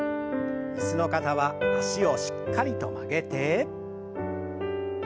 椅子の方は脚をしっかりと曲げて。